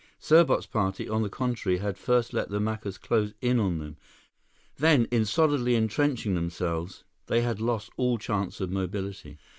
Serbot's party, on the contrary, had first let the Macus close in on them. Then, in solidly entrenching themselves, they had lost all chance of mobility.